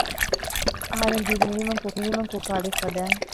އަހަރެން ދިރިއުޅެމުން އައީ މިނިވަން ކޮކާލެއް ފަދައިން